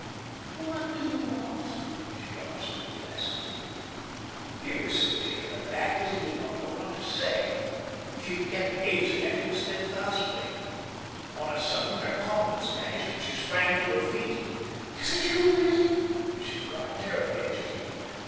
"What do you want?" she answered placidly. He was so taken aback that he did not know what to say. She kept gazing at him steadfastly. On a sudden her calmness vanished, and she sprang to her feet. "Is it you really?" she cried, terribly agitated.